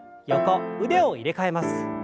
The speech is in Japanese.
腕を入れ替えます。